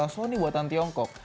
sony buatan tiongkok